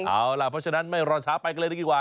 เอาล่ะเพราะฉะนั้นไม่รอช้าไปกันเลยดีกว่า